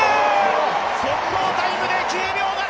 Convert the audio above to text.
速報タイムで９秒７９！